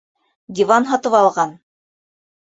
Диван һатып алған.